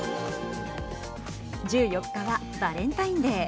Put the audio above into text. １４日はバレンタインデー。